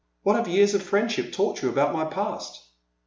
What have years of friendship taught you about my past?